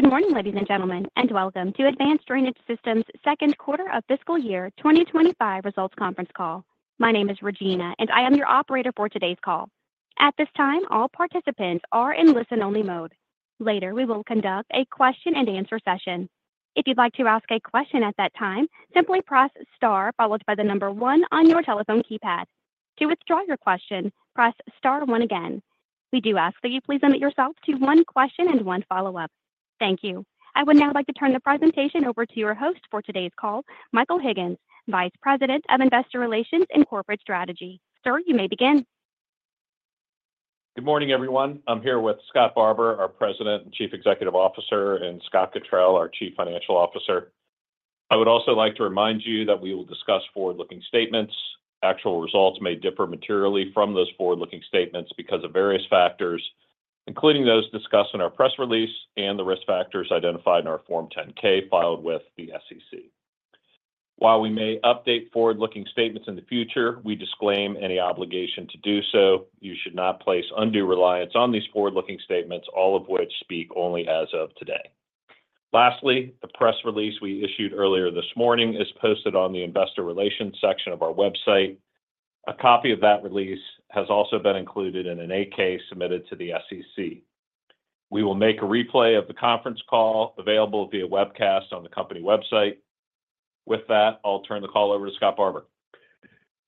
Good morning, ladies and gentlemen, and welcome to Advanced Drainage Systems' Second Quarter of fiscal year 2025 Results Conference Call. My name is Regina, and I am your operator for today's call. At this time, all participants are in listen-only mode. Later, we will conduct a question-and-answer session. If you'd like to ask a question at that time, simply press star followed by the number one on your telephone keypad. To withdraw your question, press star one again. We do ask that you please limit yourself to one question and one follow-up. Thank you. I would now like to turn the presentation over to your host for today's call, Michael Higgins, Vice President of Investor Relations and Corporate Strategy. Sir, you may begin. Good morning, everyone. I'm here with Scott Barbour, our President and Chief Executive Officer, and Scott Cottrill, our Chief Financial Officer. I would also like to remind you that we will discuss forward-looking statements. Actual results may differ materially from those forward-looking statements because of various factors, including those discussed in our press release and the risk factors identified in our Form 10-K filed with the SEC. While we may update forward-looking statements in the future, we disclaim any obligation to do so. You should not place undue reliance on these forward-looking statements, all of which speak only as of today. Lastly, the press release we issued earlier this morning is posted on the Investor Relations section of our website. A copy of that release has also been included in an 8-K submitted to the SEC. We will make a replay of the conference call available via webcast on the company website. With that, I'll turn the call over to Scott Barbour.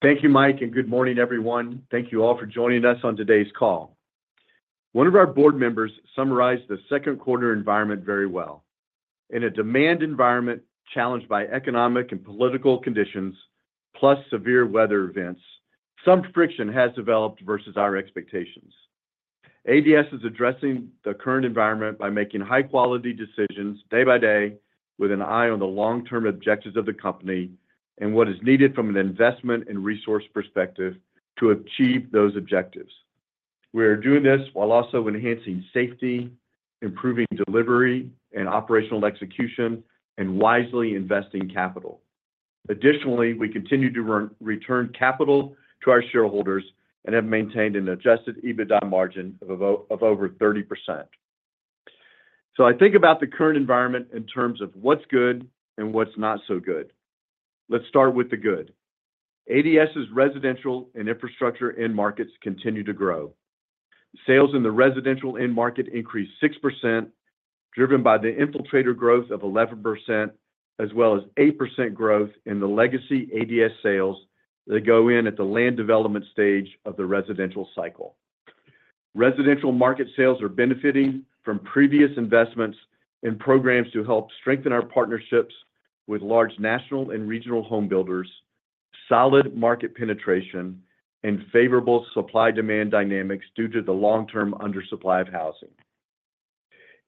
Thank you, Mike, and good morning, everyone. Thank you all for joining us on today's call. One of our board members summarized the second quarter environment very well. In a demand environment challenged by economic and political conditions, plus severe weather events, some friction has developed versus our expectations. ADS is addressing the current environment by making high-quality decisions day by day with an eye on the long-term objectives of the company and what is needed from an investment and resource perspective to achieve those objectives. We are doing this while also enhancing safety, improving delivery and operational execution, and wisely investing capital. Additionally, we continue to return capital to our shareholders and have maintained an adjusted EBITDA margin of over 30%. So I think about the current environment in terms of what's good and what's not so good. Let's start with the good. ADS's residential and infrastructure end markets continue to grow. Sales in the residential end market increased 6%, driven by the Infiltrator growth of 11%, as well as 8% growth in the legacy ADS sales that go in at the land development stage of the residential cycle. Residential market sales are benefiting from previous investments and programs to help strengthen our partnerships with large national and regional home builders, solid market penetration, and favorable supply-demand dynamics due to the long-term undersupply of housing.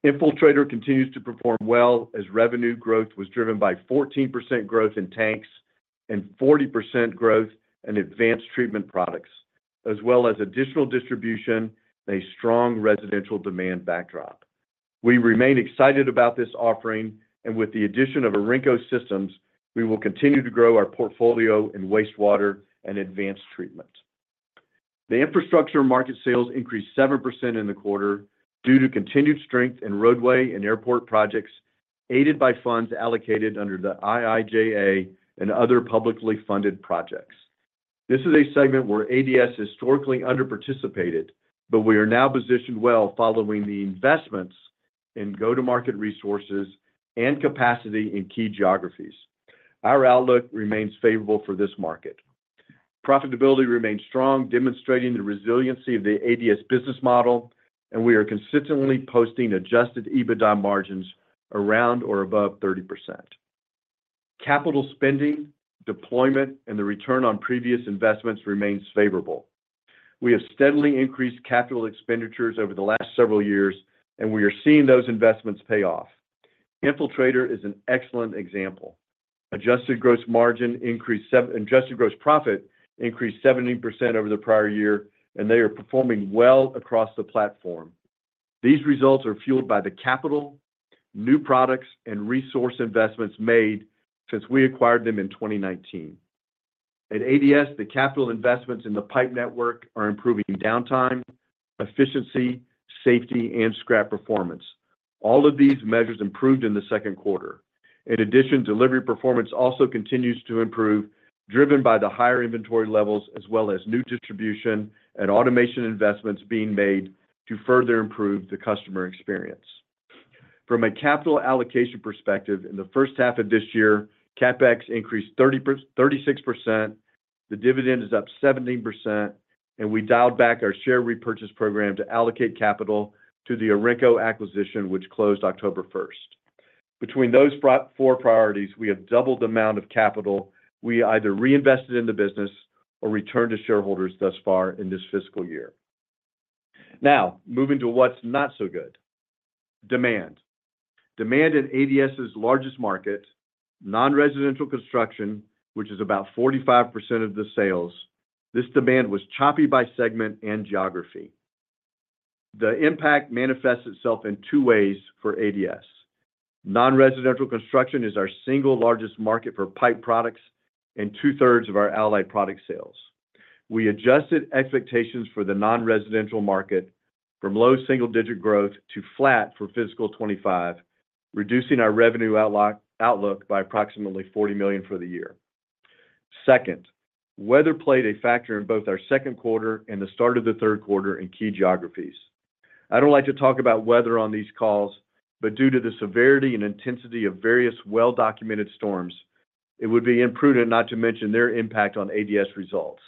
Infiltrator continues to perform well as revenue growth was driven by 14% growth in tanks and 40% growth in advanced treatment products, as well as additional distribution and a strong residential demand backdrop. We remain excited about this offering, and with the addition of Orenco Systems, we will continue to grow our portfolio in wastewater and advanced treatment. The infrastructure market sales increased 7% in the quarter due to continued strength in roadway and airport projects aided by funds allocated under the IIJA and other publicly-funded projects. This is a segment where ADS historically underparticipated, but we are now positioned well following the investments in go-to-market resources and capacity in key geographies. Our outlook remains favorable for this market. Profitability remains strong, demonstrating the resiliency of the ADS business model, and we are consistently posting adjusted EBITDA margins around or above 30%. Capital spending, deployment, and the return on previous investments remains favorable. We have steadily increased capital expenditures over the last several years, and we are seeing those investments pay off. Infiltrator is an excellent example. Adjusted gross profit increased 70% over the prior year, and they are performing well across the platform. These results are fueled by the capital, new products, and resource investments made since we acquired them in 2019. At ADS, the capital investments in the pipe network are improving downtime, efficiency, safety, and scrap performance. All of these measures improved in the second quarter. In addition, delivery performance also continues to improve, driven by the higher inventory levels as well as new distribution and automation investments being made to further improve the customer experience. From a capital allocation perspective, in the first half of this year, CapEx increased 36%. The dividend is up 17%, and we dialed back our share repurchase program to allocate capital to the Orenco acquisition, which closed October 1st. Between those four priorities, we have doubled the amount of capital we either reinvested in the business or returned to shareholders thus far in this fiscal year. Now, moving to what's not so good: demand. Demand in ADS's largest market, non-residential construction, which is about 45% of the sales. This demand was choppy by segment and geography. The impact manifests itself in two ways for ADS. Non-residential construction is our single largest market for pipe products and two-thirds of our Allied Product sales. We adjusted expectations for the non-residential market from low single-digit growth to flat for fiscal 2025, reducing our revenue outlook by approximately $40 million for the year. Second, weather played a factor in both our second quarter and the start of the third quarter in key geographies. I don't like to talk about weather on these calls, but due to the severity and intensity of various well-documented storms, it would be imprudent not to mention their impact on ADS results.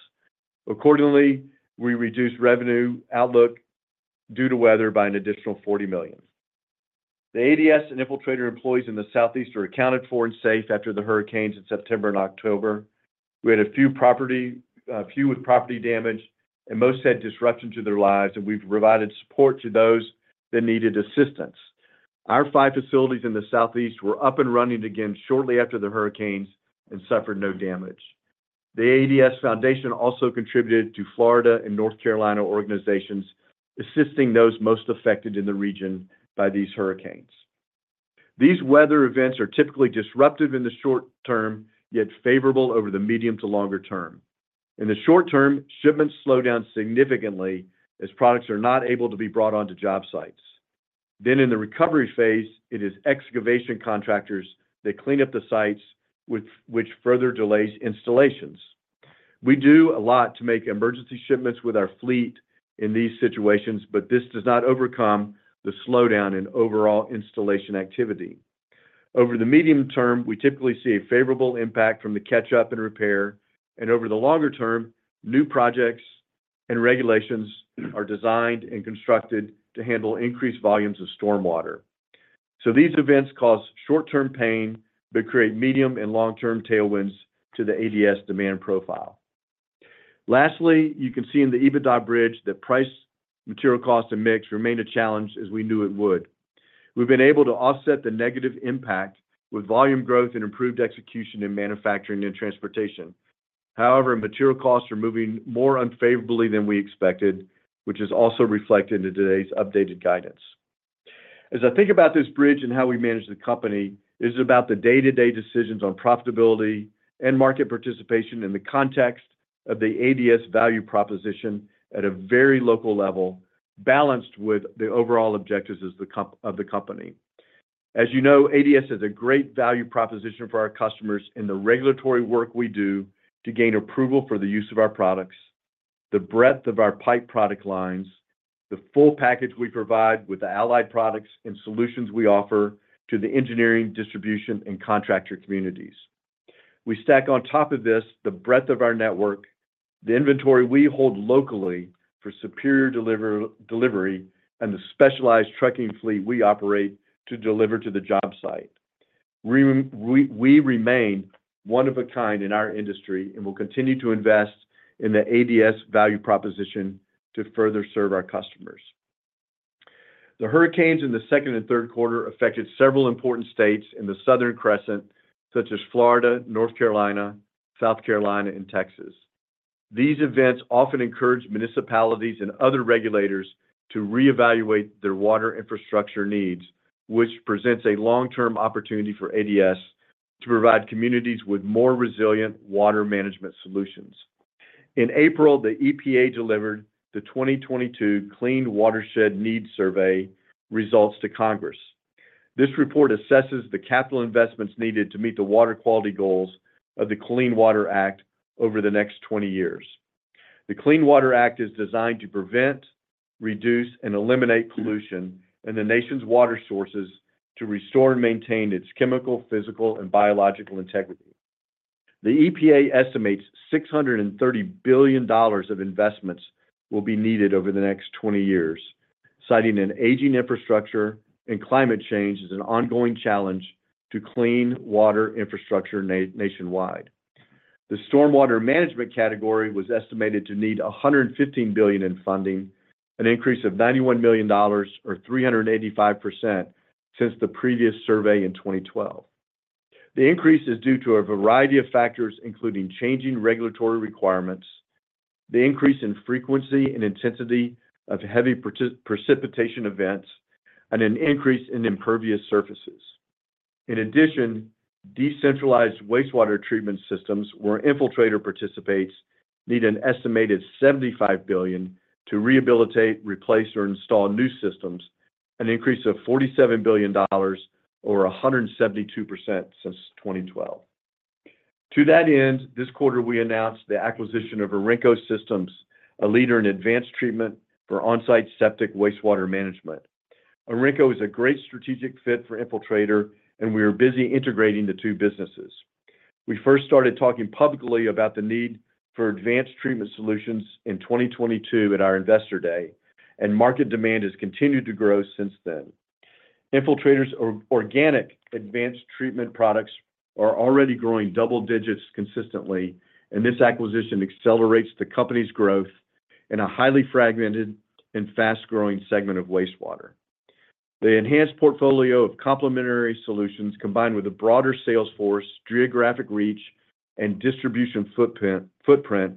Accordingly, we reduced revenue outlook due to weather by an additional $40 million. The ADS and Infiltrator employees in the Southeast are accounted for and safe after the hurricanes in September and October. We had a few with property damage, and most had disruption to their lives, and we've provided support to those that needed assistance. Our five facilities in the Southeast were up and running again shortly after the hurricanes and suffered no damage. The ADS Foundation also contributed to Florida and North Carolina organizations assisting those most affected in the region by these hurricanes. These weather events are typically disruptive in the short term, yet favorable over the medium to longer term. In the short term, shipments slow down significantly as products are not able to be brought onto job sites. Then, in the recovery phase, it is excavation contractors that clean up the sites, which further delays installations. We do a lot to make emergency shipments with our fleet in these situations, but this does not overcome the slowdown in overall installation activity. Over the medium term, we typically see a favorable impact from the catch-up and repair, and over the longer term, new projects and regulations are designed and constructed to handle increased volumes of stormwater. So these events cause short-term pain but create medium and long-term tailwinds to the ADS demand profile. Lastly, you can see in the EBITDA bridge that price, material cost, and mix remain a challenge as we knew it would. We've been able to offset the negative impact with volume growth and improved execution in manufacturing and transportation. However, material costs are moving more unfavorably than we expected, which is also reflected in today's updated guidance. As I think about this bridge and how we manage the company, it is about the day-to-day decisions on profitability and market participation in the context of the ADS value proposition at a very local level, balanced with the overall objectives of the company. As you know, ADS has a great value proposition for our customers in the regulatory work we do to gain approval for the use of our products, the breadth of our pipe product lines, the full package we provide with the Allied Products and solutions we offer to the engineering, distribution, and contractor communities. We stack on top of this the breadth of our network, the inventory we hold locally for superior delivery, and the specialized trucking fleet we operate to deliver to the job site. We remain one-of-a-kind in our industry and will continue to invest in the ADS value proposition to further serve our customers. The hurricanes in the second and third quarter affected several important states in the Southern Crescent, such as Florida, North Carolina, South Carolina, and Texas. These events often encourage municipalities and other regulators to reevaluate their water infrastructure needs, which presents a long-term opportunity for ADS to provide communities with more resilient water management solutions. In April, the EPA delivered the 2022 Clean Watersheds Needs Survey results to Congress. This report assesses the capital investments needed to meet the water quality goals of the Clean Water Act over the next 20 years. The Clean Water Act is designed to prevent, reduce, and eliminate pollution in the nation's water sources to restore and maintain its chemical, physical, and biological integrity. The EPA estimates $630 billion of investments will be needed over the next 20 years, citing an aging infrastructure and climate change as an ongoing challenge to clean water infrastructure nationwide. The stormwater management category was estimated to need $115 billion in funding, an increase of $91 million, or 385%, since the previous survey in 2012. The increase is due to a variety of factors, including changing regulatory requirements, the increase in frequency and intensity of heavy precipitation events, and an increase in impervious surfaces. In addition, decentralized wastewater treatment systems where Infiltrator participates need an estimated $75 billion to rehabilitate, replace, or install new systems, an increase of $47 billion, or 172%, since 2012. To that end, this quarter, we announced the acquisition of Orenco Systems, a leader in advanced treatment for on-site septic wastewater management. Orenco is a great strategic fit for Infiltrator, and we are busy integrating the two businesses. We first started talking publicly about the need for advanced treatment solutions in 2022 at our investor day, and market demand has continued to grow since then. Infiltrator's organic advanced treatment products are already growing double-digits consistently, and this acquisition accelerates the company's growth in a highly fragmented and fast-growing segment of wastewater. The enhanced portfolio of complementary solutions, combined with a broader sales force, geographic reach, and distribution footprint,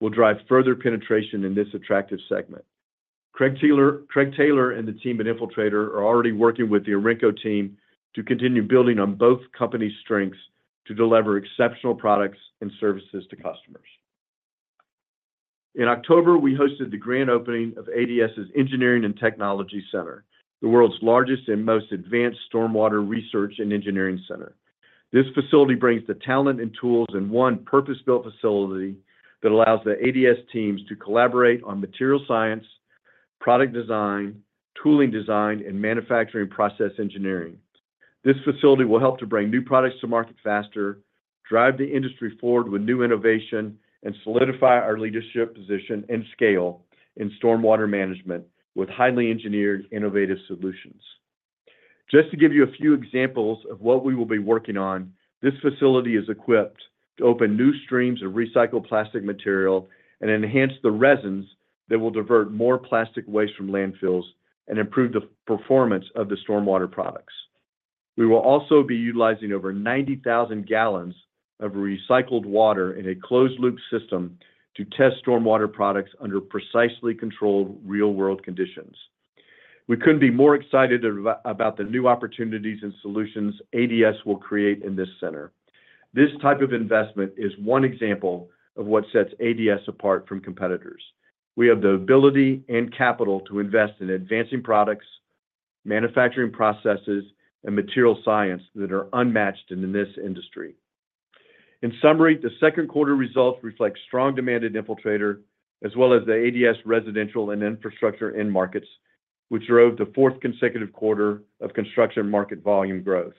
will drive further penetration in this attractive segment. Craig Taylor and the team at Infiltrator are already working with the Orenco team to continue building on both companies' strengths to deliver exceptional products and services to customers. In October, we hosted the grand opening of ADS's Engineering and Technology Center, the world's largest and most advanced stormwater research and engineering center. This facility brings the talent and tools in one purpose-built facility that allows the ADS teams to collaborate on material science, product design, tooling design, and manufacturing process engineering. This facility will help to bring new products to market faster, drive the industry forward with new innovation, and solidify our leadership position and scale in stormwater management with highly engineered, innovative solutions. Just to give you a few examples of what we will be working on, this facility is equipped to open new streams of recycled plastic material and enhance the resins that will divert more plastic waste from landfills and improve the performance of the stormwater products. We will also be utilizing over 90,000 gallons of recycled water in a closed-loop system to test stormwater products under precisely controlled real-world conditions. We couldn't be more excited about the new opportunities and solutions ADS will create in this center. This type of investment is one example of what sets ADS apart from competitors. We have the ability and capital to invest in advancing products, manufacturing processes, and material science that are unmatched in this industry. In summary, the second quarter results reflect strong demand in Infiltrator, as well as the ADS residential and infrastructure end markets, which drove the fourth consecutive quarter of construction market volume growth.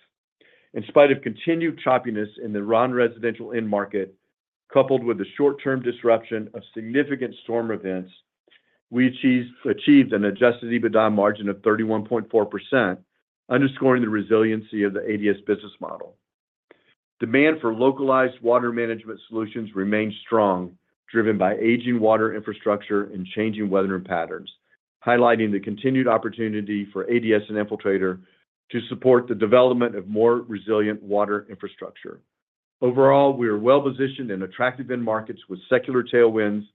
In spite of continued choppiness in the non-residential end market, coupled with the short-term disruption of significant storm events, we achieved an adjusted EBITDA margin of 31.4%, underscoring the resiliency of the ADS business model. Demand for localized water management solutions remains strong, driven by aging water infrastructure and changing weather patterns, highlighting the continued opportunity for ADS and Infiltrator to support the development of more resilient water infrastructure. Overall, we are well-positioned in attractive end markets with secular tailwinds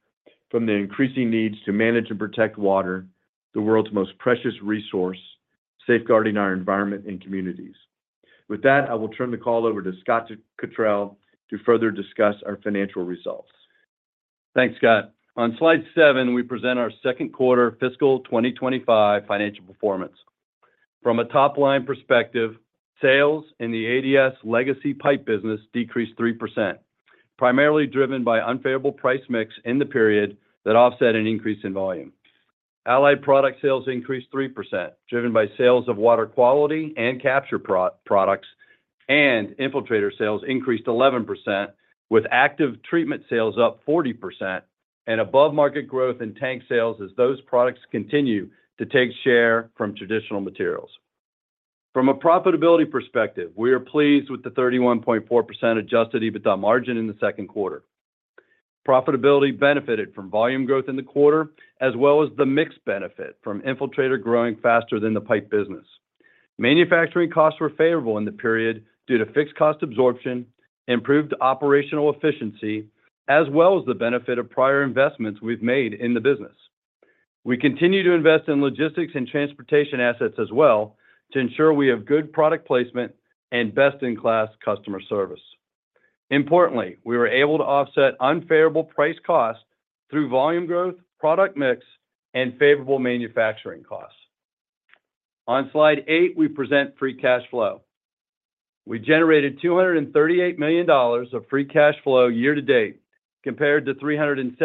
from the increasing needs to manage and protect water, the world's most precious resource, safeguarding our environment and communities. With that, I will turn the call over to Scott Cottrill to further discuss our financial results. Thanks, Scott. On slide seven, we present our second quarter fiscal 2025 financial performance. From a top-line perspective, sales in the ADS legacy pipe business decreased 3%, primarily driven by unfavorable price mix in the period that offset an increase in volume. Allied product sales increased 3%, driven by sales of water quality and capture products, and Infiltrator sales increased 11%, with advanced treatment sales up 40% and above-market growth in tank sales as those products continue to take share from traditional materials. From a profitability perspective, we are pleased with the 31.4% adjusted EBITDA margin in the second quarter. Profitability benefited from volume growth in the quarter, as well as the mix benefit from Infiltrator growing faster than the pipe business. Manufacturing costs were favorable in the period due to fixed cost absorption, improved operational efficiency, as well as the benefit of prior investments we've made in the business. We continue to invest in logistics and transportation assets as well to ensure we have good product placement and best-in-class customer service. Importantly, we were able to offset unfavorable price costs through volume growth, product mix, and favorable manufacturing costs. On slide eight, we present free cash flow. We generated $238 million of free cash flow year-to-date compared to $376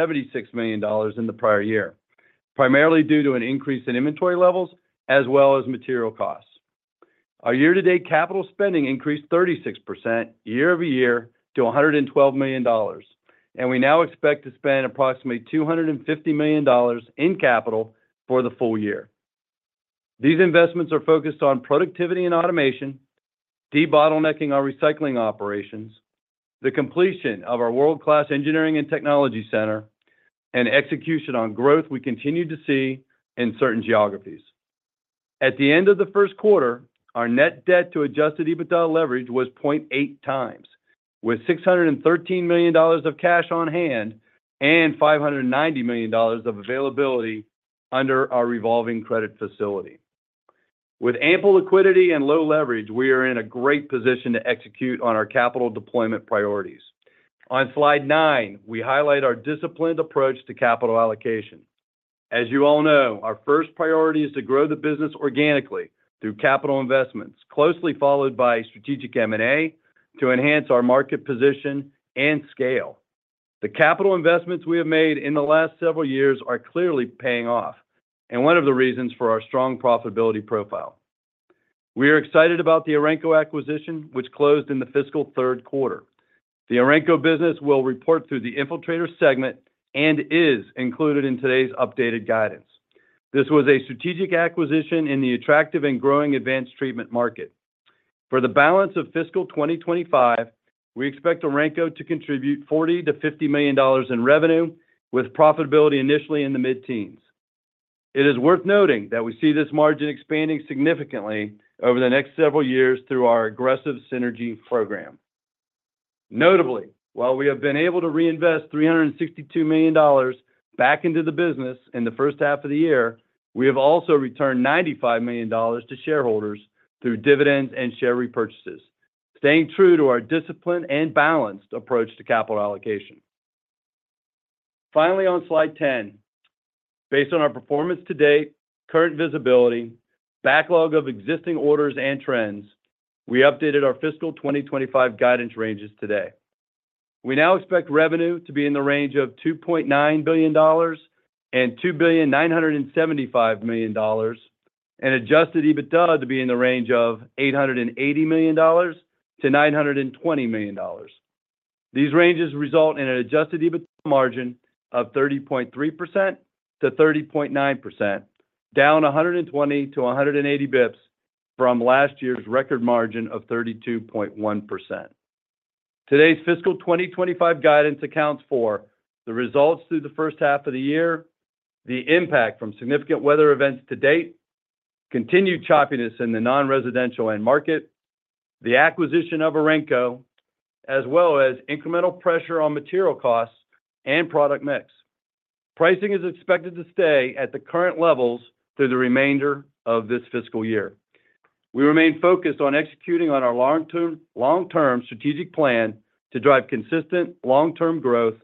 million in the prior year, primarily due to an increase in inventory levels as well as material costs. Our year-to-date capital spending increased 36% year-over-year to $112 million, and we now expect to spend approximately $250 million in capital for the full year. These investments are focused on productivity and automation, debottlenecking our recycling operations, the completion of our world-class engineering and technology center, and execution on growth we continue to see in certain geographies. At the end of the first quarter, our net debt to adjusted EBITDA leverage was 0.8 times, with $613 million of cash on hand and $590 million of availability under our revolving credit facility. With ample liquidity and low leverage, we are in a great position to execute on our capital deployment priorities. On slide nine, we highlight our disciplined approach to capital allocation. As you all know, our first priority is to grow the business organically through capital investments, closely followed by strategic M&A to enhance our market position and scale. The capital investments we have made in the last several years are clearly paying off, and one of the reasons for our strong profitability profile. We are excited about the Orenco acquisition, which closed in the fiscal third quarter. The Orenco business will report through the Infiltrator segment and is included in today's updated guidance. This was a strategic acquisition in the attractive and growing advanced treatment market. For the balance of fiscal 2025, we expect Orenco to contribute $40-$50 million in revenue, with profitability initially in the mid-teens. It is worth noting that we see this margin expanding significantly over the next several years through our aggressive synergy program. Notably, while we have been able to reinvest $362 million back into the business in the first half of the year, we have also returned $95 million to shareholders through dividends and share repurchases, staying true to our disciplined and balanced approach to capital allocation. Finally, on slide 10, based on our performance to date, current visibility, backlog of existing orders, and trends, we updated our fiscal 2025 guidance ranges today. We now expect revenue to be in the range of $2.9 billion and $2,975,000, and adjusted EBITDA to be in the range of $880 million to $920 million. These ranges result in an adjusted EBITDA margin of 30.3% to 30.9%, down 120 to 180 basis points from last year's record margin of 32.1%. Today's fiscal 2025 guidance accounts for the results through the first half of the year, the impact from significant weather events to date, continued choppiness in the non-residential end market, the acquisition of Orenco, as well as incremental pressure on material costs and product mix. Pricing is expected to stay at the current levels through the remainder of this fiscal year. We remain focused on executing on our long-term strategic plan to drive consistent long-term growth,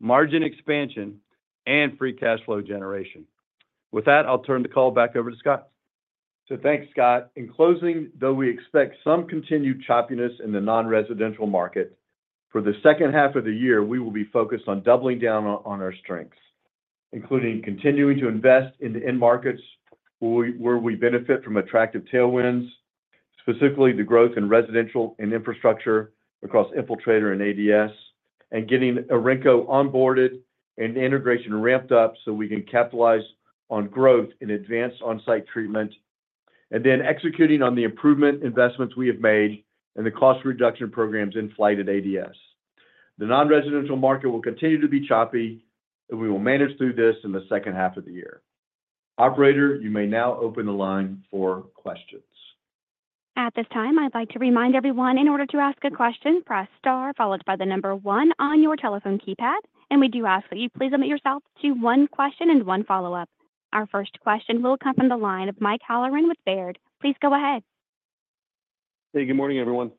margin expansion, and free cash flow generation. With that, I'll turn the call back over to Scott. So thanks, Scott. In closing, though we expect some continued choppiness in the non-residential market, for the second half of the year, we will be focused on doubling down on our strengths, including continuing to invest in the end markets where we benefit from attractive tailwinds, specifically the growth in residential and infrastructure across Infiltrator and ADS, and getting Orenco onboarded and integration ramped up so we can capitalize on growth in advanced on-site treatment, and then executing on the improvement investments we have made and the cost reduction programs in flight at ADS. The non-residential market will continue to be choppy, and we will manage through this in the second half of the year. Operator, you may now open the line for questions. At this time, I'd like to remind everyone, in order to ask a question, press star, followed by the number one on your telephone keypad. We do ask that you please limit yourself to one question and one follow-up. Our first question will come from the line of Mike Halloran with Baird. Please go ahead. Hey, good morning, everyone.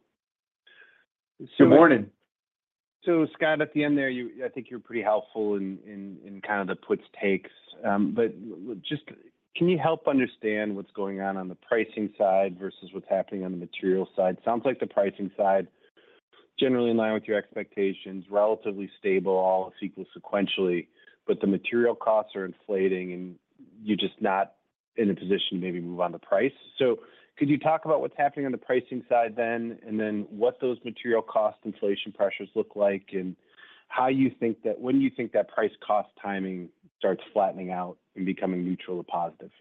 Good morning. Scott, at the end there, I think you're pretty helpful in kind of the puts, takes. But just can you help understand what's going on on the pricing side versus what's happening on the materials side? Sounds like the pricing side is generally in line with your expectations, relatively stable, all sequentially, but the material costs are inflating, and you're just not in a position to maybe move on the price. So could you talk about what's happening on the pricing side then, and then what those material cost inflation pressures look like, and how you think that when you think that price cost timing starts flattening out and becoming neutral to positive?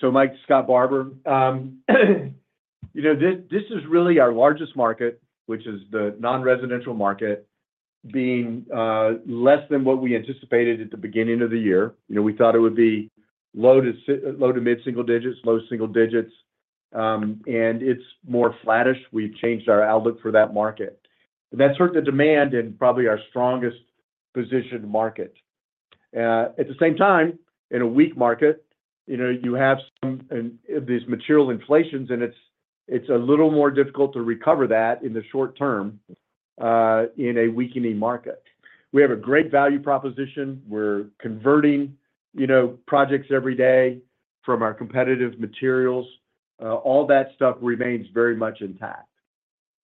So, Mike, Scott Barbour. This is really our largest market, which is the non-residential market, being less than what we anticipated at the beginning of the year. We thought it would be low to mid-single digits, low single digits, and it's more flattish. We've changed our outlook for that market, and that's hurt the demand and probably our strongest positioned market. At the same time, in a weak market, you have some of these material inflations, and it's a little more difficult to recover that in the short term in a weakening market. We have a great value proposition. We're converting projects every day from our competitive materials. All that stuff remains very much intact.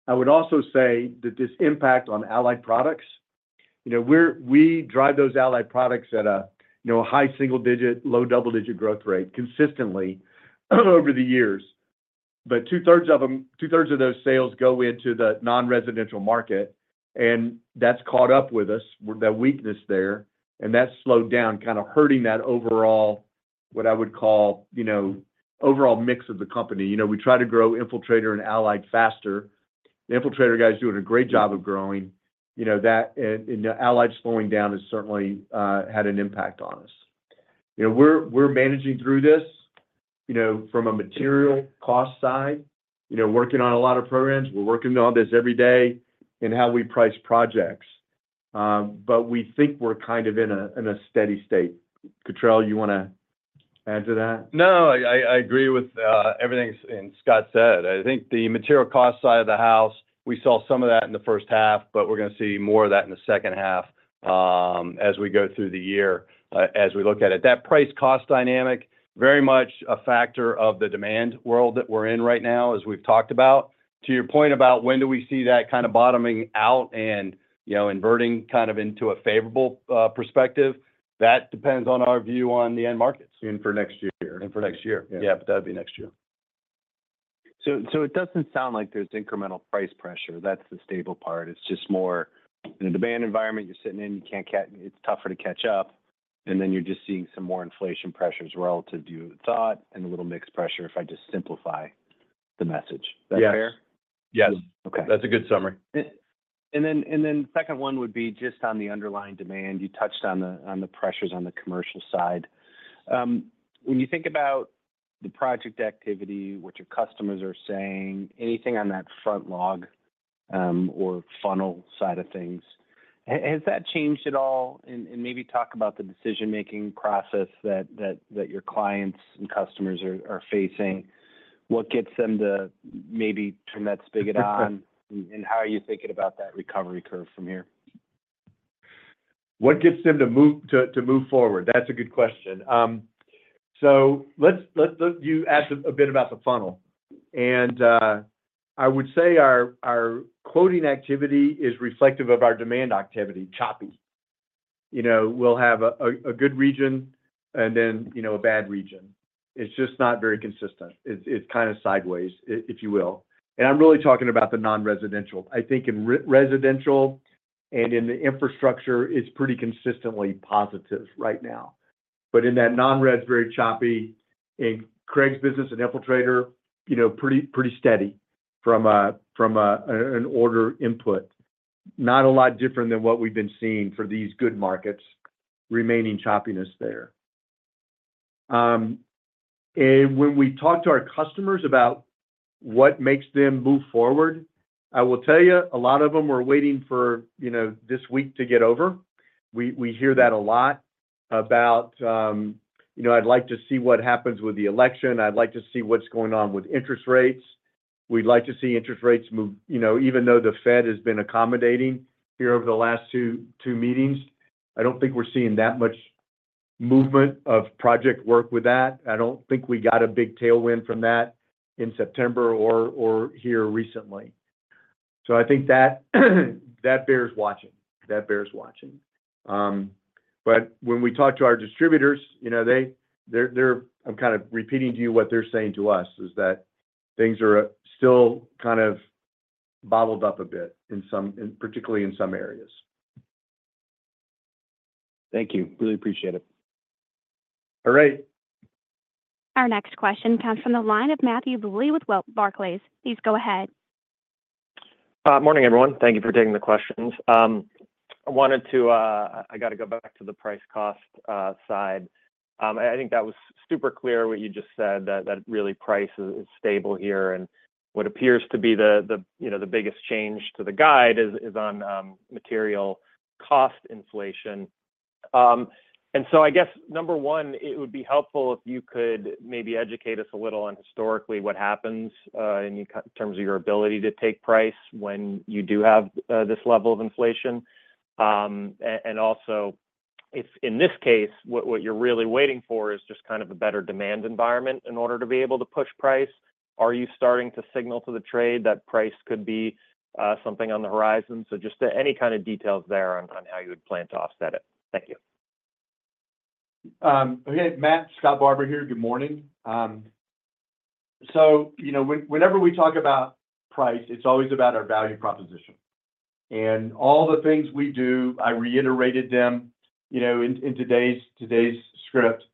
I would also say that this impact on Allied Products, we drive those Allied Products at a high single-digit, low double-digit growth rate consistently over the years. But 2/3 of those sales go into the non-residential market, and that's caught up with us, that weakness there, and that's slowed down, kind of hurting that overall, what I would call, overall mix of the company. We try to grow Infiltrator and Allied faster. The Infiltrator guys are doing a great job of growing. And the Allied slowing down has certainly had an impact on us. We're managing through this from a material cost side, working on a lot of programs. We're working on this every day in how we price projects. But we think we're kind of in a steady state. Cottrill, you want to add to that? No, I agree with everything Scott said. I think the material cost side of the house, we saw some of that in the first half, but we're going to see more of that in the second half as we go through the year, as we look at it. That price cost dynamic, very much a factor of the demand world that we're in right now, as we've talked about. To your point about when do we see that kind of bottoming out and inverting kind of into a favorable perspective, that depends on our view on the end markets. And for next year. Yeah, but that would be next year. So it doesn't sound like there's incremental price pressure. That's the stable part. It's just more in a demand environment you're sitting in, it's tougher to catch up, and then you're just seeing some more inflation pressures relative to your thought and a little mixed pressure, if I just simplify the message. Is that fair? Yes. That's a good summary. And then the second one would be just on the underlying demand. You touched on the pressures on the commercial side. When you think about the project activity, what your customers are saying, anything on that front log or funnel side of things, has that changed at all? And maybe talk about the decision-making process that your clients and customers are facing. What gets them to maybe turn that spigot on? And how are you thinking about that recovery curve from here? What gets them to move forward? That's a good question. So you asked a bit about the funnel. And I would say our quoting activity is reflective of our demand activity, choppy. We'll have a good region and then a bad region. It's just not very consistent. It's kind of sideways, if you will. And I'm really talking about the non-residential. I think in residential and in the infrastructure, it's pretty consistently positive right now. But in that non-res, very choppy. In Craig's business and Infiltrator, pretty steady from an order input. Not a lot different than what we've been seeing for these good markets, remaining choppiness there. And when we talk to our customers about what makes them move forward, I will tell you, a lot of them are waiting for this week to get over. We hear that a lot about, "I'd like to see what happens with the election. I'd like to see what's going on with interest rates." We'd like to see interest rates move. Even though the Fed has been accommodating here over the last two meetings, I don't think we're seeing that much movement of project work with that. I don't think we got a big tailwind from that in September or here recently. So I think that bears watching. That bears watching. But when we talk to our distributors, I'm kind of repeating to you what they're saying to us, is that things are still kind of bottled up a bit, particularly in some areas. Thank you. Really appreciate it. All right. Our next question comes from the line of Matthew Bouley with Barclays. Please go ahead. Morning, everyone. Thank you for taking the questions. I wanted to. I got to go back to the price cost side. I think that was super clear what you just said, that really price is stable here. And what appears to be the biggest change to the guide is on material cost inflation. And so I guess, number one, it would be helpful if you could maybe educate us a little on historically what happens in terms of your ability to take price when you do have this level of inflation. And also, if in this case, what you're really waiting for is just kind of a better demand environment in order to be able to push price, are you starting to signal to the trade that price could be something on the horizon? So just any kind of details there on how you would plan to offset it. Thank you. Okay. Matt, Scott Barbour here. Good morning. So whenever we talk about price, it's always about our value proposition. All the things we do, I reiterated them in today's script,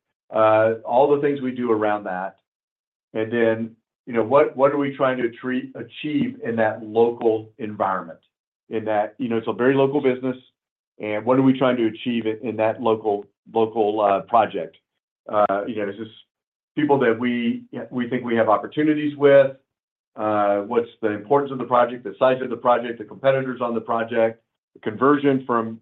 all the things we do around that. What are we trying to achieve in that local environment? It's a very local business, and what are we trying to achieve in that local project? Is this people that we think we have opportunities with? What's the importance of the project, the size of the project, the competitors on the project, the conversion from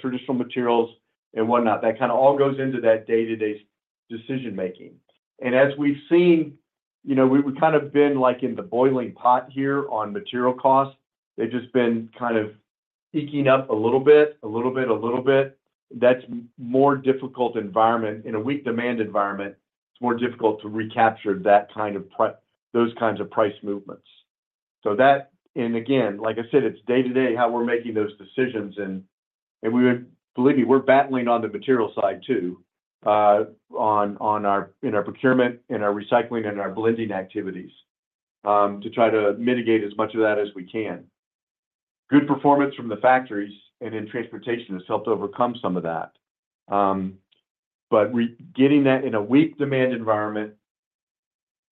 traditional materials, and whatnot? That kind of all goes into that day-to-day decision-making. As we've seen, we've kind of been in the boiling pot here on material cost. They've just been kind of eking up a little bit, a little bit, a little bit. That's a more difficult environment. In a weak demand environment, it's more difficult to recapture those kinds of price movements. And again, like I said, it's day-to-day how we're making those decisions. And believe me, we're battling on the material side too in our procurement, in our recycling, and our blending activities to try to mitigate as much of that as we can. Good performance from the factories and in transportation has helped overcome some of that. But getting that in a weak demand environment,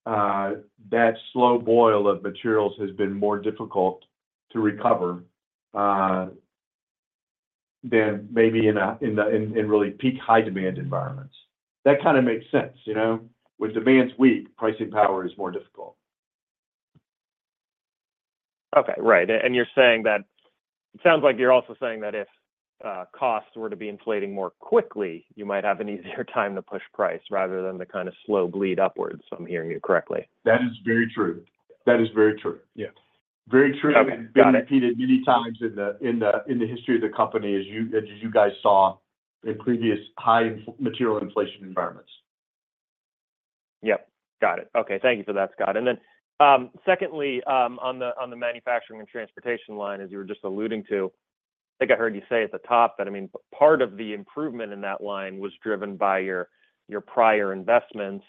that slow boil of materials has been more difficult to recover than maybe in really peak high demand environments. That kind of makes sense. When demand's weak, pricing power is more difficult. Okay. Right. And you're saying that it sounds like you're also saying that if costs were to be inflating more quickly, you might have an easier time to push price rather than the kind of slow bleed upwards, if I'm hearing you correctly. That is very true. That is very true. Yeah. Very true. And we've repeated many times in the history of the company, as you guys saw in previous high material inflation environments. Yep. Got it. Okay. Thank you for that, Scott. And then secondly, on the manufacturing and transportation line, as you were just alluding to, I think I heard you say at the top that, I mean, part of the improvement in that line was driven by your prior investments.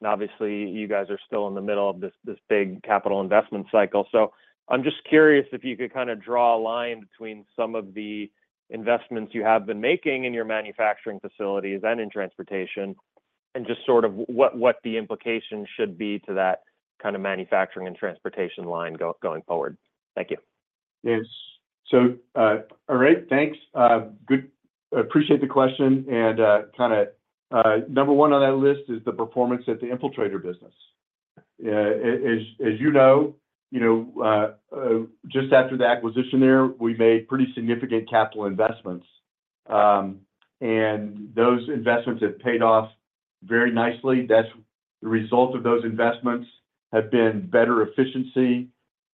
And obviously, you guys are still in the middle of this big capital investment cycle. So I'm just curious if you could kind of draw a line between some of the investments you have been making in your manufacturing facilities and in transportation, and just sort of what the implication should be to that kind of manufacturing and transportation line going forward. Thank you. Yes. So all right. Thanks. Appreciate the question. Kind of number one on that list is the performance at the Infiltrator business. As you know, just after the acquisition there, we made pretty significant capital investments. And those investments have paid off very nicely. The result of those investments has been better efficiency,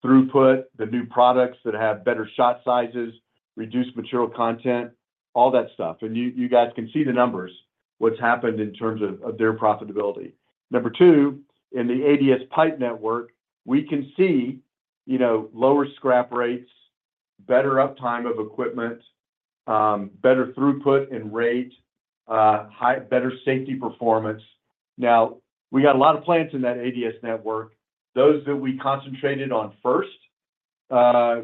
throughput, the new products that have better shot sizes, reduced material content, all that stuff. And you guys can see the numbers, what's happened in terms of their profitability. Number two, in the ADS pipe network, we can see lower scrap rates, better uptime of equipment, better throughput and rate, better safety performance. Now, we got a lot of plants in that ADS network. Those that we concentrated on first,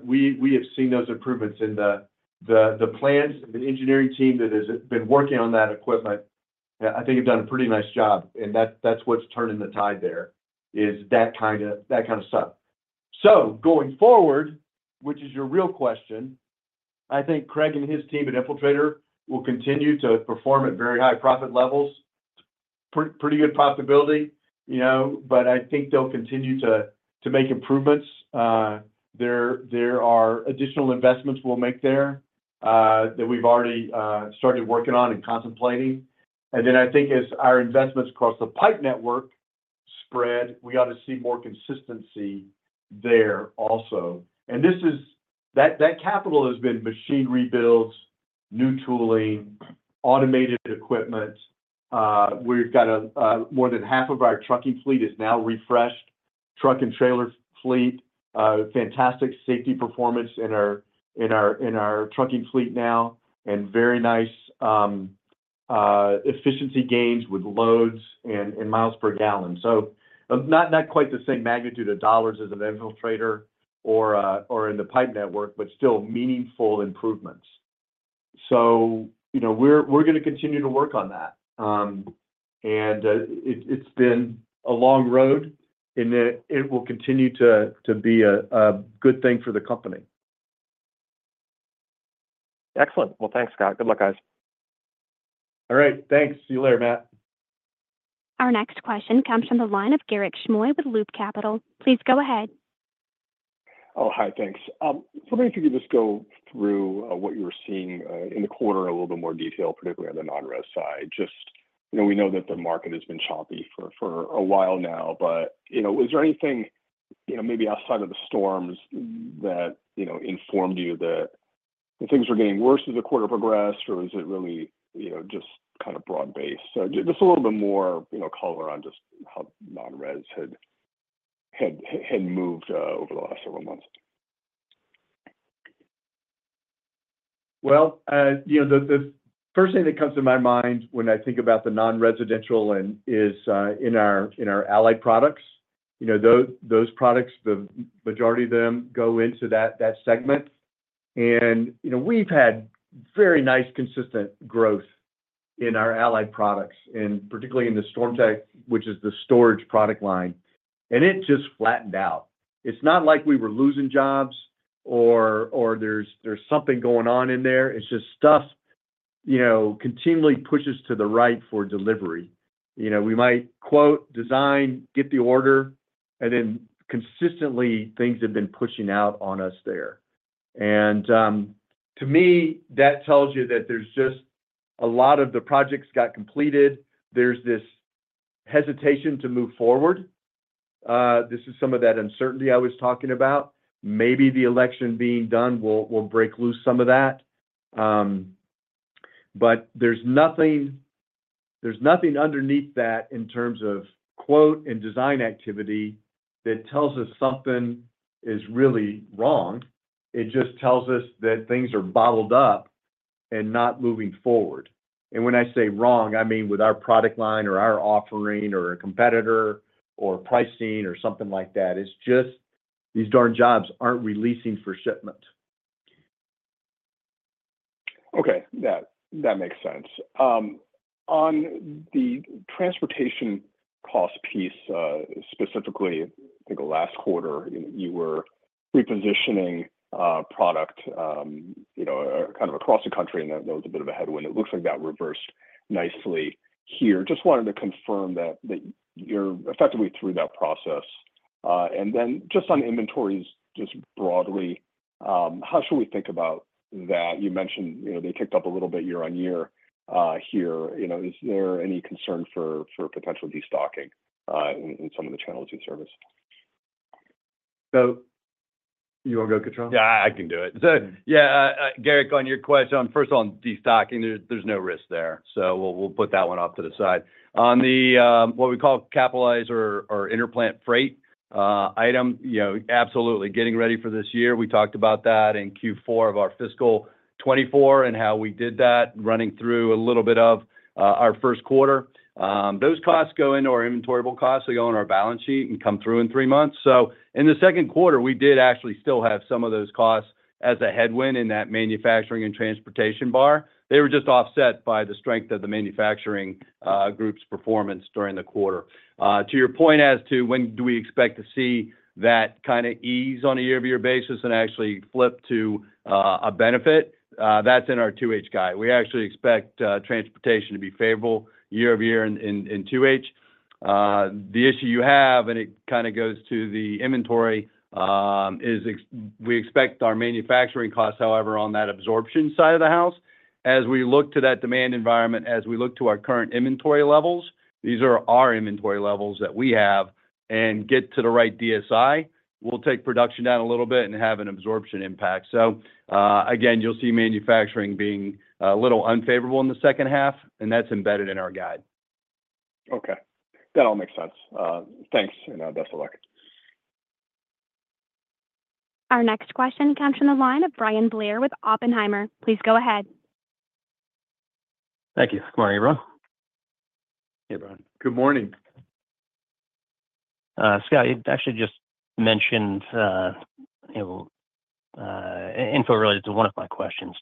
we have seen those improvements in the plants. The engineering team that has been working on that equipment, I think, have done a pretty nice job. And that's what's turning the tide there, is that kind of stuff. So going forward, which is your real question, I think Craig and his team at Infiltrator will continue to perform at very high profit levels, pretty good profitability. But I think they'll continue to make improvements. There are additional investments we'll make there that we've already started working on and contemplating. And then I think as our investments across the pipe network spread, we ought to see more consistency there also. And that capital has been machine rebuilds, new tooling, automated equipment. We've got more than half of our trucking fleet is now refreshed, truck and trailer fleet. Fantastic safety performance in our trucking fleet now, and very nice efficiency gains with loads and miles per gallon. So not quite the same magnitude of dollars as an Infiltrator or in the pipe network, but still meaningful improvements. So we're going to continue to work on that. And it's been a long road, and it will continue to be a good thing for the company. Excellent. Well, thanks, Scott. Good luck, guys. All right. Thanks. See you later, Matt. Our next question comes from the line of Garik Shmois with Loop Capital. Please go ahead. Oh, hi. Thanks. So if you could just go through what you were seeing in the quarter in a little bit more detail, particularly on the non-res side. Just we know that the market has been choppy for a while now, but was there anything maybe outside of the storms that informed you that things were getting worse as the quarter progressed, or was it really just kind of broad-based? Just a little bit more color on just how non-res had moved over the last several months. The first thing that comes to my mind when I think about the non-residential is in our Allied Products. Those products, the majority of them go into that segment. We've had very nice consistent growth in our Allied Products, and particularly in the StormTech, which is the storage product line. It just flattened out. It's not like we were losing jobs or there's something going on in there. It's just stuff continually pushes to the right for delivery. We might quote, design, get the order, and then consistently, things have been pushing out on us there. To me, that tells you that there's just a lot of the projects got completed. There's this hesitation to move forward. This is some of that uncertainty I was talking about. Maybe the election being done will break loose some of that. But there's nothing underneath that in terms of quote and design activity that tells us something is really wrong. It just tells us that things are bottled up and not moving forward. And when I say wrong, I mean with our product line or our offering or a competitor or pricing or something like that. It's just these darn jobs aren't releasing for shipment. Okay. That makes sense. On the transportation cost piece, specifically, I think last quarter, you were repositioning product kind of across the country, and that was a bit of a headwind. It looks like that reversed nicely here. Just wanted to confirm that you're effectively through that process. And then just on inventories, just broadly, how should we think about that? You mentioned they ticked up a little bit year-on-year here. Is there any concern for potential destocking in some of the channels you service? So you want to go, Cottrill? Yeah, I can do it. So yeah, Garik, on your question, first of all, on destocking, there's no risk there. So we'll put that one off to the side. On the what we call capitalize or interplant freight item, absolutely getting ready for this year. We talked about that in Q4 of our fiscal 2024 and how we did that running through a little bit of our first quarter. Those costs go into our inventorable costs. They go on our balance sheet and come through in three months. So in the second quarter, we did actually still have some of those costs as a headwind in that manufacturing and transportation bar. They were just offset by the strength of the manufacturing group's performance during the quarter. To your point as to when do we expect to see that kind of ease on a year-over-year basis and actually flip to a benefit, that's in our 2H guide. We actually expect transportation to be favorable year-over-year in 2H. The issue you have, and it kind of goes to the inventory, is we expect our manufacturing costs, however, on that absorption side of the house, as we look to that demand environment, as we look to our current inventory levels, these are our inventory levels that we have, and get to the right DSI, we'll take production down a little bit and have an absorption impact. So again, you'll see manufacturing being a little unfavorable in the second half, and that's embedded in our guide. Okay. That all makes sense. Thanks, and best of luck. Our next question comes from the line of Bryan Blair with Oppenheimer. Please go ahead. Thank you. Good morning, everyone. Hey, Brian. Good morning. Scott, you actually just mentioned info related to one of my questions.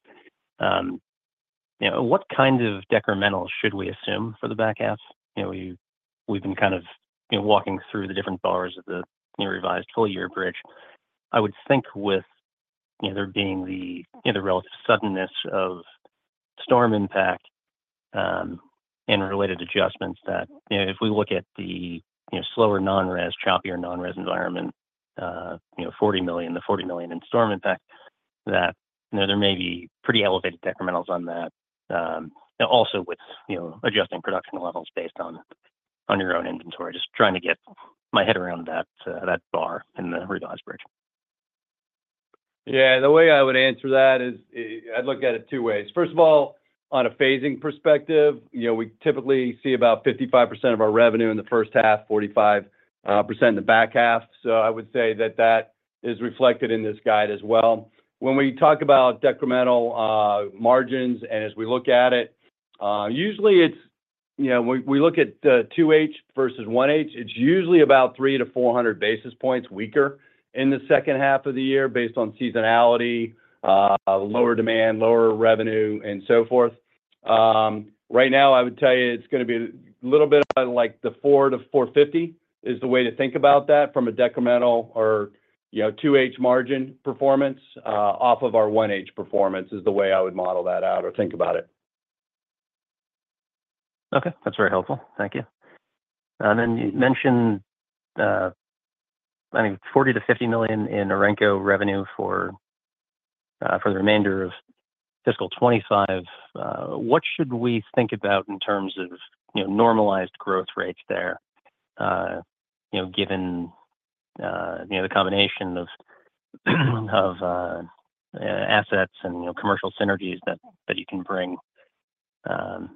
What kind of decremental should we assume for the back half? We've been kind of walking through the different bars of the revised full-year bridge. I would think with there being the relative suddenness of storm impact and related adjustments that if we look at the slower non-res, choppier non-res environment, the $40 million in storm impact, that there may be pretty elevated decrementals on that, also with adjusting production levels based on your own inventory. Just trying to get my head around that bar in the revised bridge. Yeah. The way I would answer that is I'd look at it two ways. First of all, on a phasing perspective, we typically see about 55% of our revenue in the first half, 45% in the back half. So I would say that that is reflected in this guide as well. When we talk about decremental margins and as we look at it, usually it's we look at the 2H versus 1H. It's usually about 3 to 400 basis points weaker in the second half of the year based on seasonality, lower demand, lower revenue, and so forth. Right now, I would tell you it's going to be a little bit like the 4 to 450 is the way to think about that from a decremental or 2H margin performance off of our 1H performance is the way I would model that out or think about it. Okay. That's very helpful. Thank you. And then you mentioned $40 million-$50 million in Orenco revenue for the remainder of fiscal 2025. What should we think about in terms of normalized growth rates there given the combination of assets and commercial synergies that you can bring to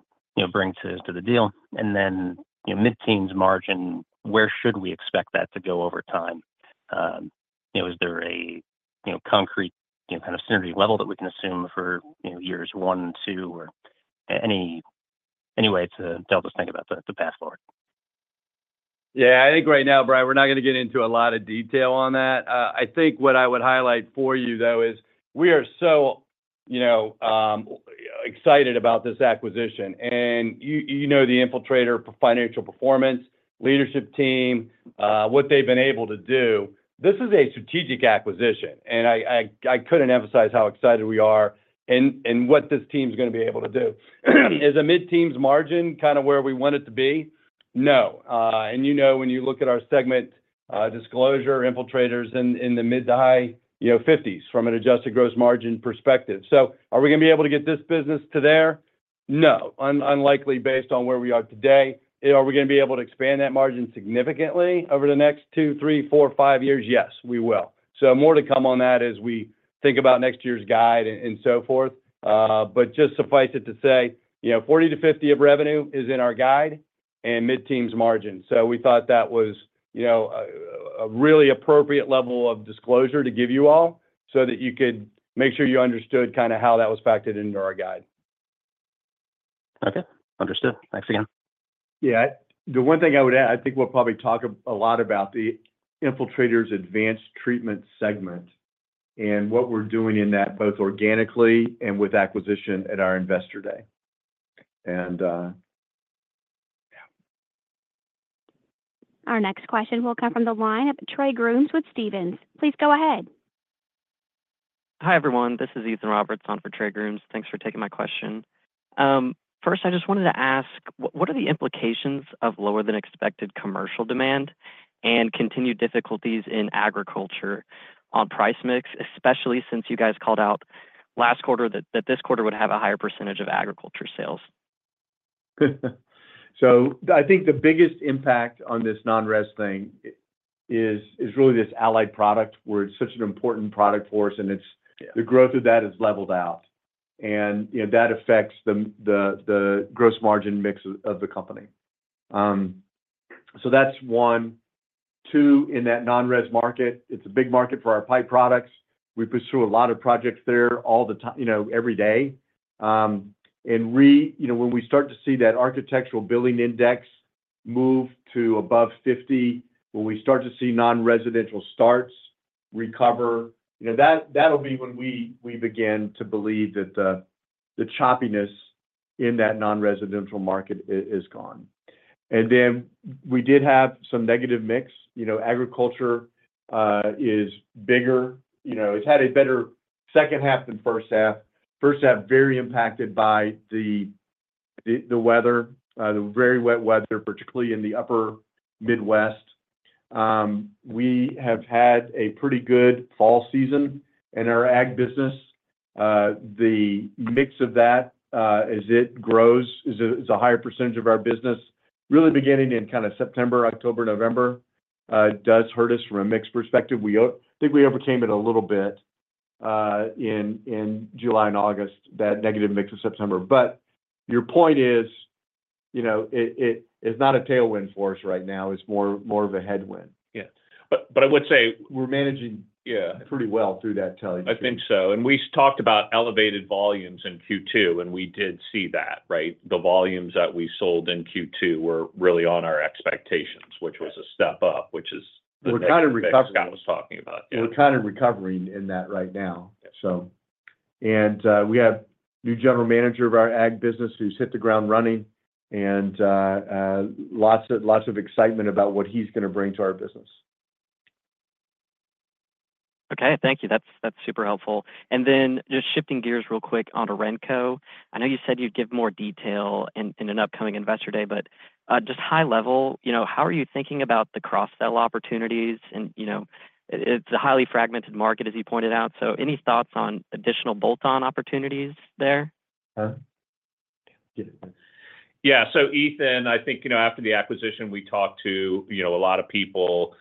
the deal? And then mid-teens margin, where should we expect that to go over time? Is there a concrete kind of synergy level that we can assume for years one, two, or any way to help us think about the path forward? Yeah. I think right now, Brian, we're not going to get into a lot of detail on that. I think what I would highlight for you, though, is we are so excited about this acquisition. And you know the Infiltrator financial performance, leadership team, what they've been able to do. This is a strategic acquisition. And I couldn't emphasize how excited we are and what this team's going to be able to do. Is a mid-teens margin kind of where we want it to be? No. And you know when you look at our segment disclosure, Infiltrator's in the mid to high 50s from an adjusted gross margin perspective. So are we going to be able to get this business to there? No. Unlikely based on where we are today. Are we going to be able to expand that margin significantly over the next two, three, four, five years? Yes, we will. So more to come on that as we think about next year's guide and so forth. But just suffice it to say, 40%-50% of revenue is in our guide and mid-teens margin. So we thought that was a really appropriate level of disclosure to give you all so that you could make sure you understood kind of how that was factored into our guide. Okay. Understood. Thanks again. Yeah. The one thing I would add, I think we'll probably talk a lot about the Infiltrator's advanced treatment segment and what we're doing in that both organically and with acquisition at our investor day. And yeah. Our next question will come from the line of Trey Grooms with Stephens. Please go ahead. Hi, everyone. This is Ethan Roberts on for Trey Grooms. Thanks for taking my question. First, I just wanted to ask, what are the implications of lower-than-expected commercial demand and continued difficulties in agriculture on price mix, especially since you guys called out last quarter that this quarter would have a higher percentage of agriculture sales? I think the biggest impact on this non-res thing is really this Allied product where it's such an important product for us, and the growth of that is leveled out. And that affects the gross margin mix of the company. So that's one. Two, in that non-res market, it's a big market for our pipe products. We pursue a lot of projects there every day. And when we start to see that Architecture Billings Index move to above 50, when we start to see non-residential starts recover, that'll be when we begin to believe that the choppiness in that non-residential market is gone. And then we did have some negative mix. Agriculture is bigger. It's had a better second half than first half. First half very impacted by the weather, the very wet weather, particularly in the upper Midwest. We have had a pretty good fall season in our ag business. The mix of that as it grows is a higher percentage of our business. Really beginning in kind of September, October, November does hurt us from a mixed perspective. I think we overcame it a little bit in July and August, that negative mix of September. But your point is it's not a tailwind for us right now. It's more of a headwind. Yeah. But I would say we're managing pretty well through that tailwind season. I think so. And we talked about elevated volumes in Q2, and we did see that, right? The volumes that we sold in Q2 were really on our expectations, which was a step up, which is the thing that Scott was talking about. We're kind of recovering in that right now, so. And we have new general manager of our Ag business who's hit the ground running and lots of excitement about what he's going to bring to our business. Okay. Thank you. That's super helpful. And then just shifting gears real quick on Orenco. I know you said you'd give more detail in an upcoming investor day, but just high level, how are you thinking about the cross-sell opportunities? And it's a highly fragmented market, as you pointed out. So any thoughts on additional bolt-on opportunities there? Yeah. So Ethan, I think after the acquisition, we talked to a lot of people.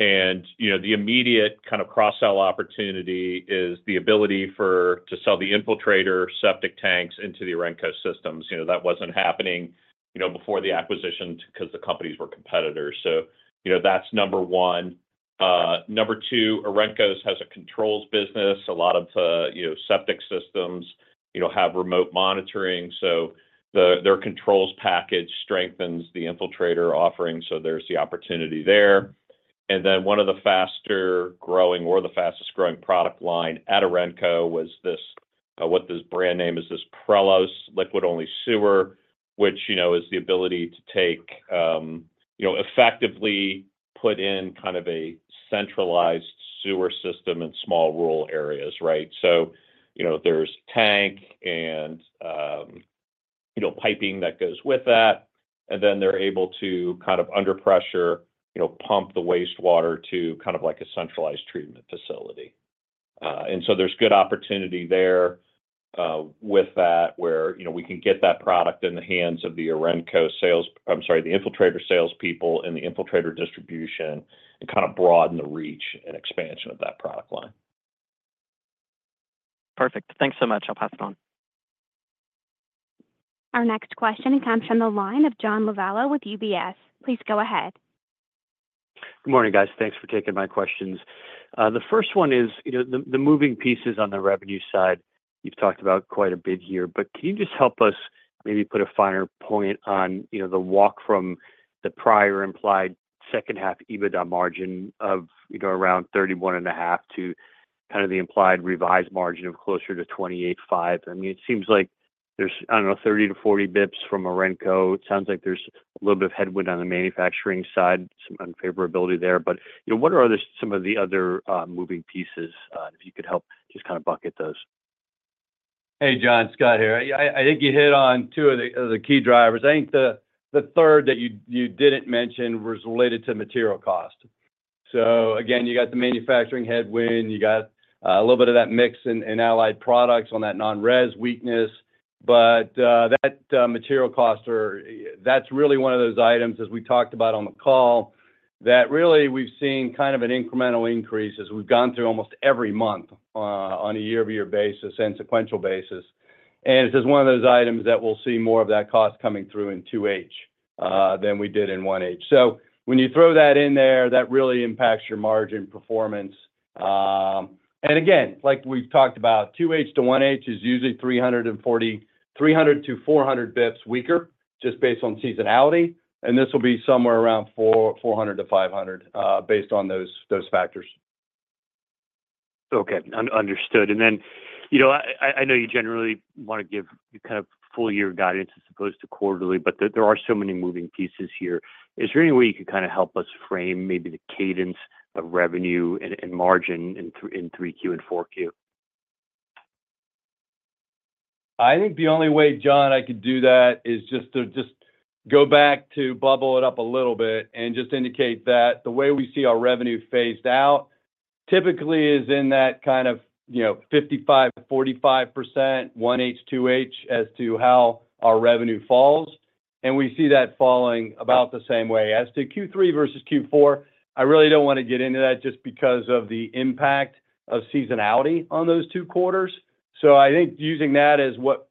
And the immediate kind of cross-sell opportunity is the ability to sell the Infiltrator septic tanks into the Orenco systems. That wasn't happening before the acquisition because the companies were competitors. So that's number one. Number two, Orenco has a controls business. A lot of the septic systems have remote monitoring. So their controls package strengthens the Infiltrator offering. So there's the opportunity there. And then one of the faster growing or the fastest growing product line at Orenco was this, what this brand name is, this Prelos liquid-only sewer, which is the ability to take effectively put in kind of a centralized sewer system in small rural areas, right? So there's tank and piping that goes with that. And then they're able to kind of under pressure pump the wastewater to kind of like a centralized treatment facility. And so there's good opportunity there with that where we can get that product in the hands of the Orenco sales. I'm sorry, the Infiltrator salespeople and the Infiltrator distribution and kind of broaden the reach and expansion of that product line. Perfect. Thanks so much. I'll pass it on. Our next question comes from the line of John Lovallo with UBS. Please go ahead. Good morning, guys. Thanks for taking my questions. The first one is the moving pieces on the revenue side. You've talked about quite a bit here. But can you just help us maybe put a finer point on the walk from the prior implied second-half EBITDA margin of around 31 and a half to kind of the implied revised margin of closer to 28.5? I mean, it seems like there's, I don't know, 30 to 40 basis points from Orenco. It sounds like there's a little bit of headwind on the manufacturing side, some unfavorability there. But what are some of the other moving pieces if you could help just kind of bucket those? Hey, John, Scott here. I think you hit on two of the key drivers. I think the third that you didn't mention was related to material cost. So again, you got the manufacturing headwind. You got a little bit of that mix and Allied Products on that non-res weakness. But that material cost, that's really one of those items, as we talked about on the call, that really we've seen kind of an incremental increase as we've gone through almost every month on a year-over-year basis and sequential basis. And it's just one of those items that we'll see more of that cost coming through in 2H than we did in 1H. So when you throw that in there, that really impacts your margin performance. And again, like we've talked about, 2H to 1H is usually 300-400 basis points weaker just based on seasonality. And this will be somewhere around 400-500 basis points based on those factors. Okay. Understood. Then I know you generally want to give kind of full-year guidance as opposed to quarterly, but there are so many moving pieces here. Is there any way you could kind of help us frame maybe the cadence of revenue and margin in 3Q and 4Q? I think the only way, John, I could do that is just to go back to bubble it up a little bit and just indicate that the way we see our revenue phased out typically is in that kind of 55%-45%, 1H, 2H as to how our revenue falls. And we see that falling about the same way as to Q3 versus Q4. I really don't want to get into that just because of the impact of seasonality on those two quarters. So I think using that as what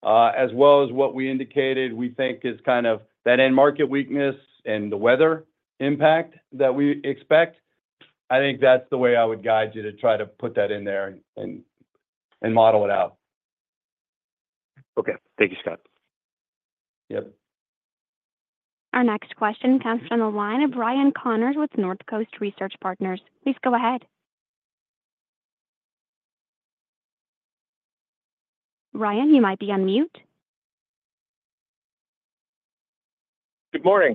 we're projecting and predicting for the second half, as well as what we indicated, we think is kind of that end market weakness and the weather impact that we expect. I think that's the way I would guide you to try to put that in there and model it out. Okay. Thank you, Scott. Yep. Our next question comes from the line of Ryan Connors with Northcoast Research Partners. Please go ahead. Ryan, you might be on mute. Good morning.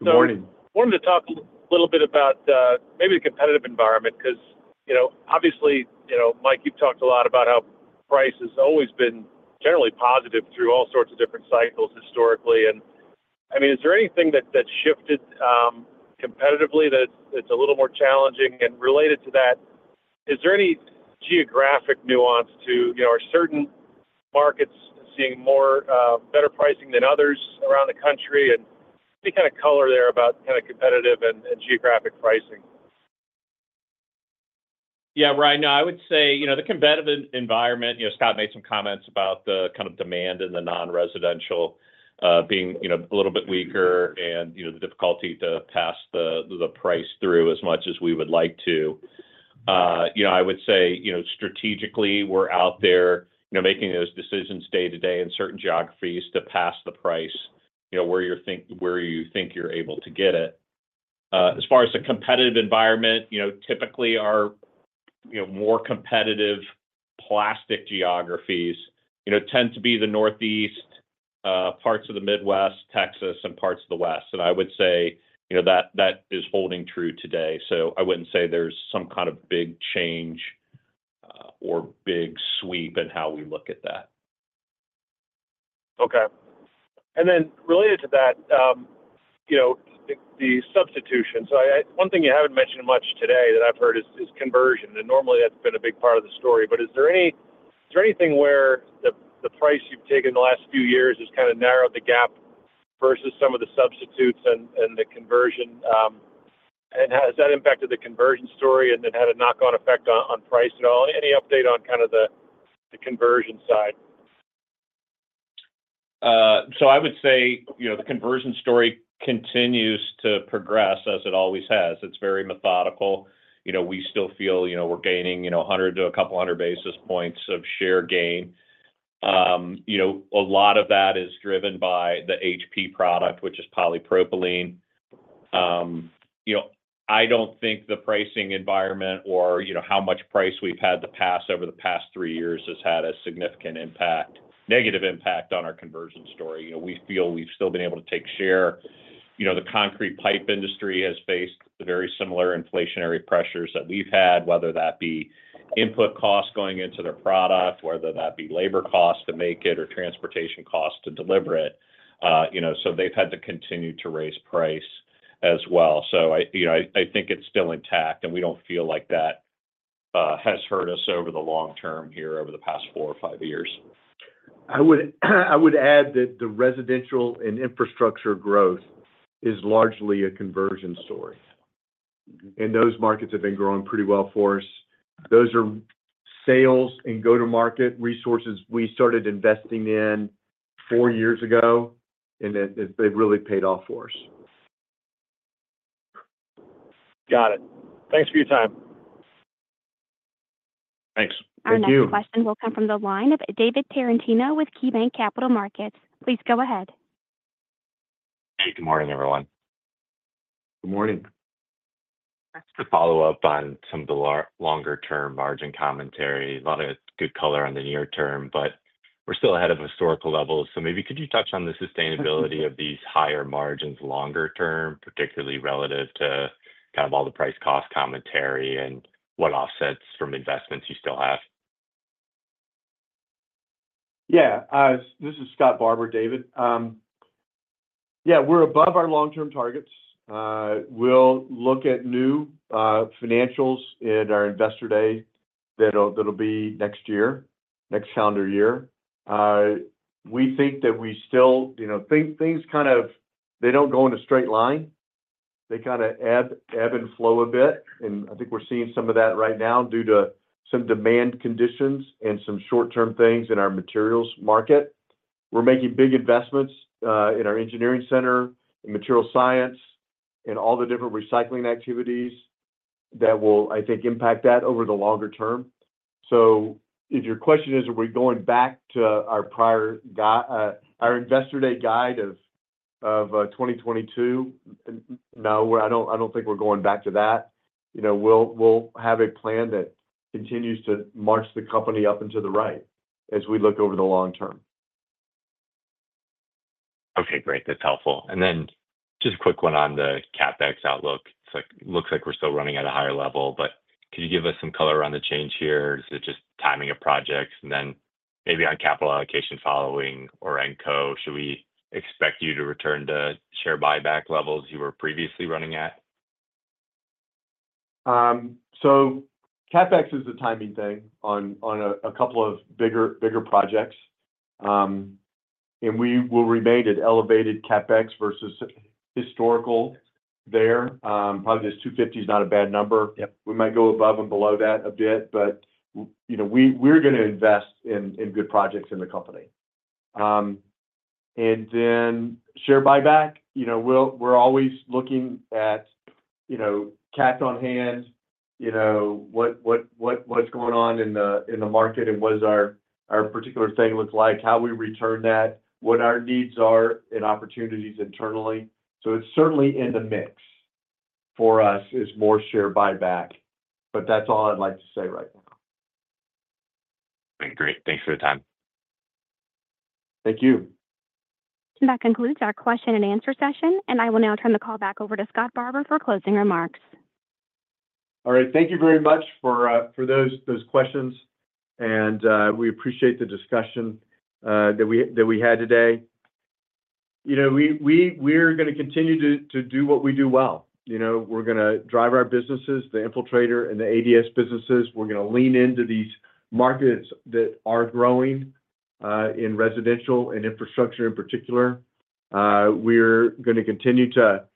Good morning. I wanted to talk a little bit about maybe the competitive environment because obviously, Mike, you've talked a lot about how price has always been generally positive through all sorts of different cycles historically. And I mean, is there anything that shifted competitively that it's a little more challenging? And related to that, is there any geographic nuance to, are certain markets seeing better pricing than others around the country? And any kind of color there about kind of competitive and geographic pricing? Yeah. Right. No, I would say the competitive environment. Scott made some comments about the kind of demand in the non-residential being a little bit weaker and the difficulty to pass the price through as much as we would like to. I would say strategically, we're out there making those decisions day-to-day in certain geographies to pass the price where you think you're able to get it. As far as the competitive environment, typically our more competitive plastic geographies tend to be the Northeast, parts of the Midwest, Texas, and parts of the West. And I would say that is holding true today. So I wouldn't say there's some kind of big change or big sweep in how we look at that. Okay. And then related to that, the substitution. So one thing you haven't mentioned much today that I've heard is conversion. And normally, that's been a big part of the story. But is there anything where the price you've taken the last few years has kind of narrowed the gap versus some of the substitutes and the conversion? And has that impacted the conversion story and then had a knock-on effect on price at all? Any update on kind of the conversion side? So I would say the conversion story continues to progress as it always has. It's very methodical. We still feel we're gaining a hundred to a couple hundred basis points of share gain. A lot of that is driven by the HP product, which is polypropylene. I don't think the pricing environment or how much price we've had to pass over the past three years has had a significant impact, negative impact on our conversion story. We feel we've still been able to take share. The concrete pipe industry has faced very similar inflationary pressures that we've had, whether that be input costs going into their product, whether that be labor costs to make it or transportation costs to deliver it. So they've had to continue to raise price as well. So I think it's still intact. And we don't feel like that has hurt us over the long term here over the past four or five years. I would add that the residential and infrastructure growth is largely a conversion story. And those markets have been growing pretty well for us. Those are sales and go-to-market resources we started investing in four years ago. And they've really paid off for us. Got it. Thanks for your time. Thanks. Thank you. Our next question will come from the line of David Tarantino with KeyBanc Capital Markets. Please go ahead. Hey. Good morning, everyone. Good morning. Just to follow up on some of the longer-term margin commentary. A lot of good color on the near term, but we're still ahead of historical levels. So maybe could you touch on the sustainability of these higher margins longer term, particularly relative to kind of all the price-cost commentary and what offsets from investments you still have? Yeah. This is Scott Barbour, David. Yeah. We're above our long-term targets. We'll look at new financials in our investor day that'll be next year, next calendar year. We think that we still things kind of they don't go in a straight line. They kind of ebb and flow a bit. and I think we're seeing some of that right now due to some demand conditions and some short-term things in our materials market. We're making big investments in our engineering center, in material science, in all the different recycling activities that will, I think, impact that over the longer term. So if your question is, are we going back to our prior investor day guide of 2022? No, I don't think we're going back to that. We'll have a plan that continues to march the company up and to the right as we look over the long term. Okay. Great. That's helpful. And then just a quick one on the CapEx outlook. It looks like we're still running at a higher level, but could you give us some color on the change here? Is it just timing of projects? And then maybe on capital allocation following Orenco, should we expect you to return to share buyback levels you were previously running at? So CapEx is the timing thing on a couple of bigger projects. And we will remain at elevated CapEx versus historical there. Probably this 250 is not a bad number. We might go above and below that a bit, but we're going to invest in good projects in the company. And then share buyback, we're always looking at cash on hand, what's going on in the market, and what does our particular thing look like, how we return that, what our needs are and opportunities internally. So it's certainly in the mix for us is more share buyback. But that's all I'd like to say right now. Great. Thanks for the time. Thank you. That concludes our question-and-answer session. And I will now turn the call back over to Scott Barbour for closing remarks. All right. Thank you very much for those questions. And we appreciate the discussion that we had today. We are going to continue to do what we do well. We're going to drive our businesses, the Infiltrator and the ADS businesses. We're going to lean into these markets that are growing in residential and infrastructure in particular. We're going to continue to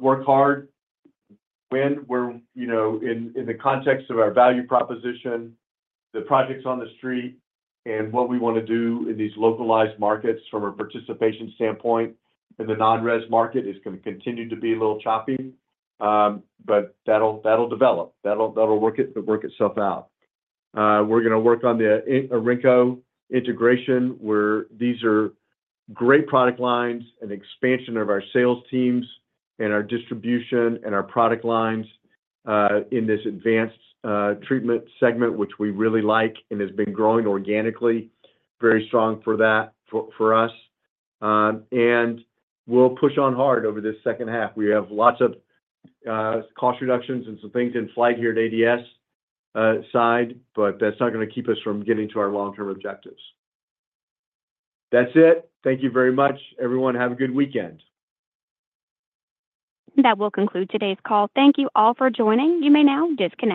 work hard when we're in the context of our value proposition, the projects on the street, and what we want to do in these localized markets from a participation standpoint. And the non-residential market is going to continue to be a little choppy, but that'll develop. That'll work itself out. We're going to work on the Orenco integration where these are great product lines and expansion of our sales teams and our distribution and our product lines in this advanced treatment segment, which we really like and has been growing organically, very strong for that for us, and we'll push on hard over this second half. We have lots of cost reductions and some things in flight here at ADS side, but that's not going to keep us from getting to our long-term objectives. That's it. Thank you very much, everyone. Have a good weekend. That will conclude today's call. Thank you all for joining. You may now disconnect.